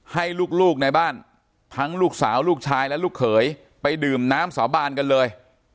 ให้ลูกในบ้านทั้งลูกสาวลูกชายและลูกเขยไปดื่มน้ำสาบานกันเลย